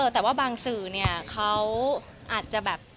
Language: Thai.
แต่ว่าบางสื่อเขาอาจจะแบบ